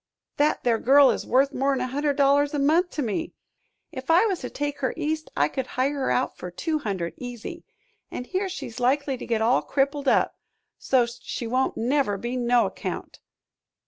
"That there girl is worth more'n a hundred dollars a month to me. If I was to take her East I could hire her out for two hundred, easy, an' here she's likely to get all crippled up, so's't she won't never be no account."